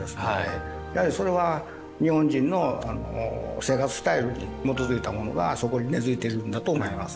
やはりそれは日本人の生活スタイルに基づいたものがそこに根づいてるんだと思います。